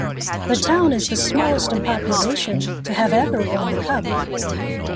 The town is the smallest in population to have ever won the Cup.